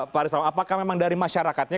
pak rizalwan apakah memang dari masyarakat